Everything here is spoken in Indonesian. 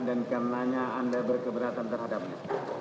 dan karenanya anda berkeberatan terhadapnya